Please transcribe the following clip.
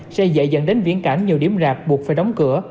sẽ dễ dẫn đến viễn cảnh nhiều điểm rạp buộc phải đóng cửa